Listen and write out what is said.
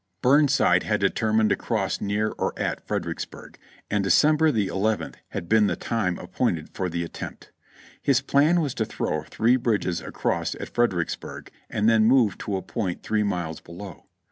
Burnside had determined to cross near or at Fredericksburg, and December the eleventh had been the time appointed for the attempt. His plan was to throw three bridges across at Freder icksburg and then move at a point three miles below.